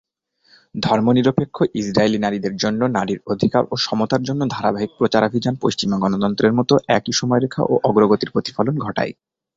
ধর্মনিরপেক্ষ ইসরায়েলি নারীদের জন্য নারীর অধিকার ও সমতার জন্য ধারাবাহিক প্রচারাভিযান পশ্চিমা গণতন্ত্রের মতো একই সময়রেখা ও অগ্রগতির প্রতিফলন ঘটায়।